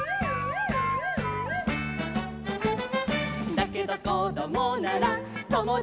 「だけどこどもならともだちになろう」